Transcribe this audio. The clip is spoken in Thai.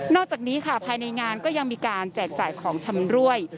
อกจากนี้ค่ะภายในงานก็ยังมีการแจกจ่ายของชำรวย